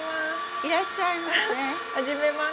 いらっしゃいませ。